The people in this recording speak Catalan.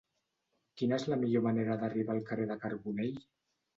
Quina és la millor manera d'arribar al carrer de Carbonell?